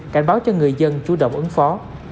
cảnh báo cho người dân chủ động ứng phó